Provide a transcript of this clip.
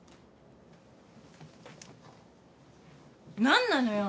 何なのよ？